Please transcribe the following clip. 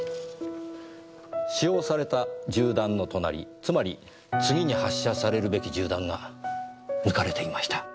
使用された銃弾の隣つまり次に発射されるべき銃弾が抜かれていました。